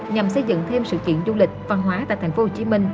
nhằm xây dựng thêm sự kiện du lịch văn hóa tại tp hcm